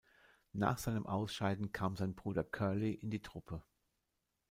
Nach seinem Ausscheiden kam sein Bruder Curly in die Truppe.